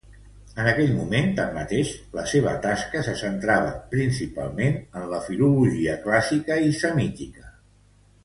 En aquell moment, tanmateix, la seva tasca se centrava principalment en la filologia clàssica i semítica.